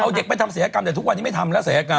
เอาเด็กไปทำศัยกรรมแต่ทุกวันนี้ไม่ทำแล้วศัยกรรม